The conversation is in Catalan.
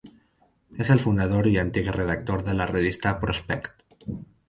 És el fundador i antic redactor de la revista "Prospect".